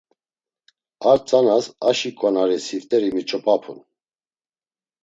Ar tzanas aşi ǩonari sifteri miç̌opapun.